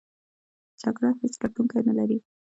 جګړه هېڅ ګټوونکی نلري!